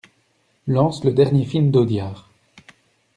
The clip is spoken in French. Lance le dernier film d'Audiard.